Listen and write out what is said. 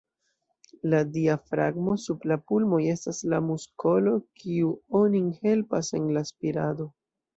La diafragmo sub la pulmoj estas la muskolo, kiu onin helpas en la spirado.